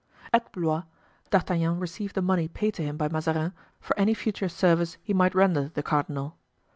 At Blois, D'Artagnan received the money paid to him by Mazarin for any future service he might render the cardinal.